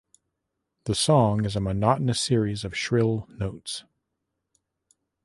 The song is a monotonous series of shrill notes.